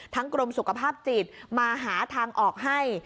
กรมสุขภาพจิตมาหาทางออกให้